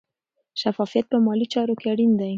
شفافیت په مالي چارو کې اړین دی.